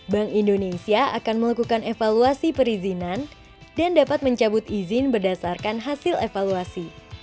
bank indonesia akan melakukan evaluasi perizinan dan dapat mencabut izin berdasarkan hasil evaluasi